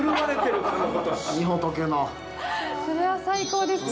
それは最高ですね。